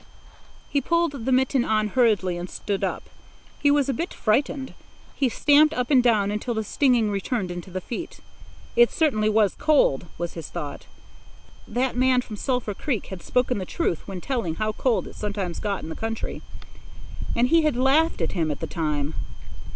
He pulled the mitten on hurriedly and stood up. He was a bit frightened. He stamped up and down until the stinging returned into the feet. It certainly was cold, was his thought. That man from Sulphur Creek had spoken the truth when telling how cold it sometimes got in the country. And he had laughed at him at the time!